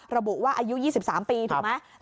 ระบุว่าอายุ๒๓ปีถูกไหม